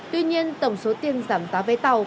tuy nhiên tổng số tiền giảm giá vé tàu